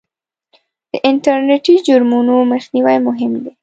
د انټرنېټي جرمونو مخنیوی مهم دی.